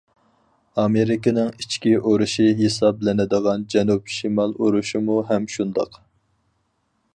ئامېرىكىنىڭ ئىچكى ئۇرۇشى ھېسابلىنىدىغان جەنۇب- شىمال ئۇرۇشىمۇ ھەم شۇنداق.